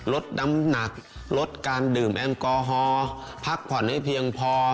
ลดน้ำหนักลดการดื่มแอลกอฮอล์พักผ่อนให้เพียงพอ